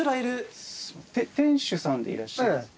店主さんでいらっしゃいます？